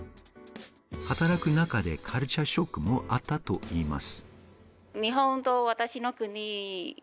働く中でカルチャーショックもあったといいます。